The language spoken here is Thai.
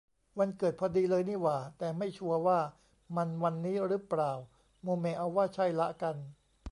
วันเกิดพอดีเลยนี่หว่า แต่ไม่ชัวร์ว่ามันวันนี้รึเปล่า โมเมเอาว่าใช่ละกัน